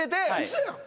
嘘やん！